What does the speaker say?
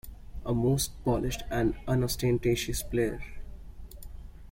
A most polished and unostentatious player.